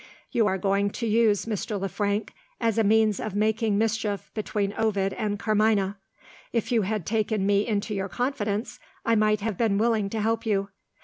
You are going to use Mr. Le Frank as a means of making mischief between Ovid and Carmina. If you had taken me into your confidence, I might have been willing to help you.